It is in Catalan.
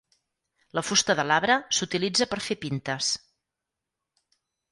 La fusta de l'arbre s'utilitza per fer pintes.